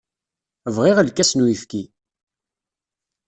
Bɣiɣ lkas n uyefki.